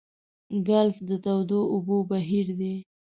ګلف د تودو اوبو بهیر دی.